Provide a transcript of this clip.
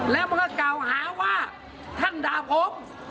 แล้วมันก็กล่าวหาว่าท่านด่าผม